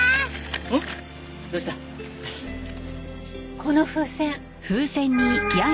この風船。